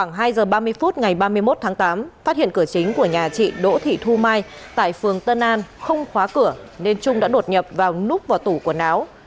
ngày ba mươi một tháng tám phát hiện cửa chính của nhà chị đỗ thị thu mai tại phường tân an không khóa cửa nên trung đã đột nhập vào núp vào tủ quần áo